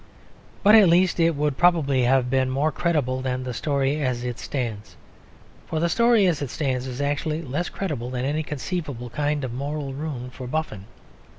But at least it would probably have been more credible than the story as it stands; for the story as it stands is actually less credible than any conceivable kind of moral ruin for Boffin.